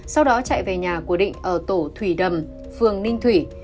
sau đó chạy về nhà của định ở tổ thủy đầm phường ninh thủy